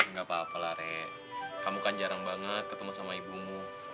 gak apa apa lah ri kamu kan jarang banget ketemu sama ibumu